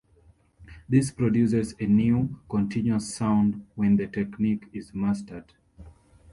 This produces a near-continuous sound when the technique is mastered.